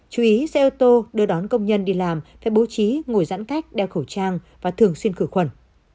chú ý xe ô tô đưa đón công nhân đi làm phải bố trí ngồi giãn cách đeo khẩu trang và thường xuyên khử khuẩn